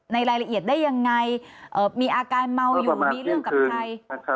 รายละเอียดได้ยังไงมีอาการเมาอยู่มีเรื่องกับใคร